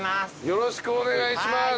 よろしくお願いします。